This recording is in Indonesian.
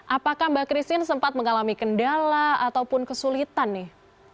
apakah mbak christine sempat mengalami kendala ataupun kesulitan nih